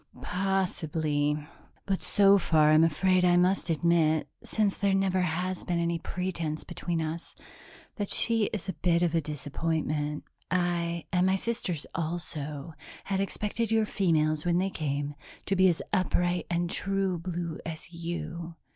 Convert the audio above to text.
"Possibly, but so far I'm afraid I must admit since there never has been any pretense between us that she is a bit of a disappointment. I and my sisters also had expected your females, when they came, to be as upright and true blue as you.